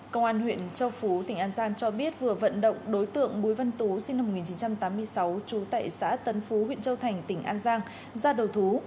công an huyện châu phú tỉnh an giang cho biết vừa vận động đối tượng bùi văn tú sinh năm một nghìn chín trăm tám mươi sáu trú tại xã tân phú huyện châu thành tỉnh an giang ra đầu thú